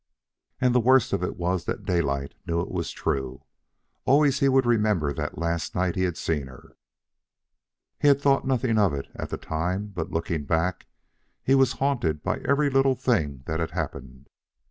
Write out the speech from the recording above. And the worst of it was that Daylight knew it was true. Always would he remember that last night he had seen her. He had thought nothing of it at the time; but, looking back, he was haunted by every little thing that had happened.